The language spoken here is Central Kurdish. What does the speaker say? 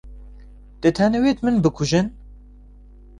دەتانەوێت من بکوژن؟